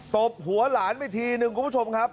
บหัวหลานไปทีนึงคุณผู้ชมครับ